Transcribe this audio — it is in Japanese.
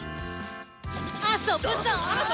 遊ぶぞ！